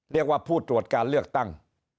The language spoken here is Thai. เรียกว่าผู้ตรวจการเลือกตั้ง